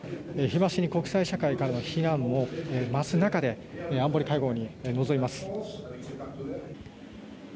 日増しに国際社会からの非難も増す中で安保理会合に臨みます。